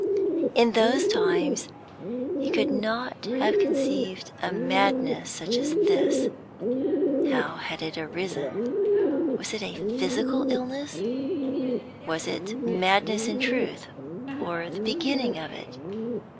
In those times he could not have conceived a madness such as this. How had it arisen? Was it a physical illness? Was it madness in truth, or the beginning of it?